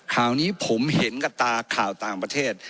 ข่าวนี้ผมเห็นกับตาข่าวต่างประเทศ